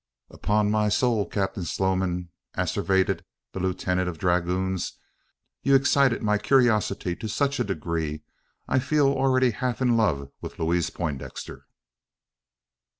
"Upon my soul, Captain Sloman!" asseverated the lieutenant of dragoons, "you've excited my curiosity to such a degree, I feel already half in love with Louise Poindexter!"